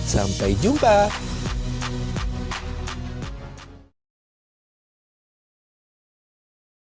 sampai jumpa di jepang